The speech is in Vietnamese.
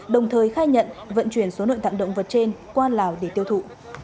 đồng thời khai nhận vận chuyển số nội tạng động vật trên qua lào để tiêu thụ